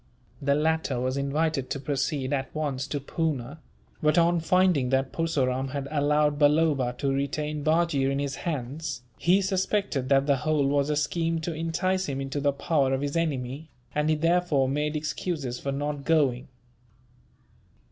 The latter was invited to proceed at once to Poona; but on finding that Purseram had allowed Balloba to retain Bajee in his hands, he suspected that the whole was a scheme to entice him into the power of his enemy, and he therefore made excuses for not going.